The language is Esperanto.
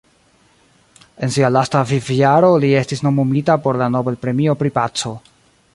En sia lasta vivjaro li estis nomumita por la Nobel-premio pri paco.